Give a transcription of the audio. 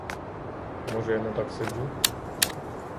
Може, я не так сиджу?